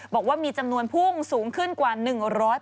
บอกว่ามีจำนวนพุ่งสูงขึ้นกว่า๑๐๐